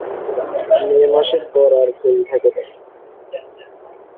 মে মাসের পর আর ফুল থাকে না।